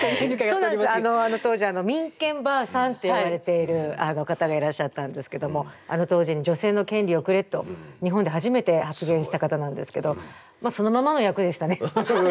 当時民権ばあさんっていわれている方がいらっしゃったんですけどもあの当時に女性の権利をくれと日本で初めて発言した方なんですけどまあそのままの役でしたね。